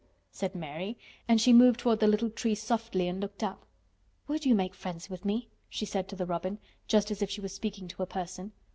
said Mary, and she moved toward the little tree softly and looked up. "Would you make friends with me?" she said to the robin just as if she was speaking to a person.